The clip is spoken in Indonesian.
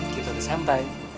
kita sudah sampai